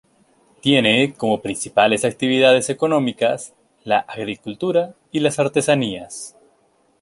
Tiene como principales actividades económicas la agricultura y las artesanías.